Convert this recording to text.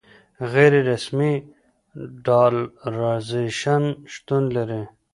غیر رسمي ډالرایزیشن شتون لري.